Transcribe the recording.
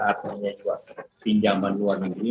ataunya juga pinjaman luar negeri